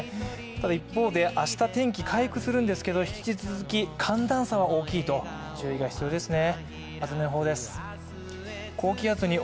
ただ一方で、明日天気回復するんですけど引き続き寒暖差は大きいと注意は必要ですね。